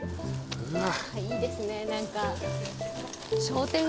いいですね何か。